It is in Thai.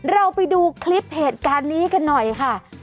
เราไปดูคลิปเหตุการณ์นี้กันหน่อยค่ะ